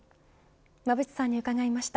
馬渕さんに伺いました。